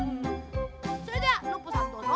それではノッポさんどうぞ。